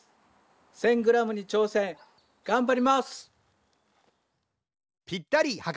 １０００グラムにちょうせんがんばります！